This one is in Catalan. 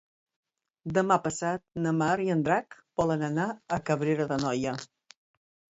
Demà passat na Mar i en Drac volen anar a Cabrera d'Anoia.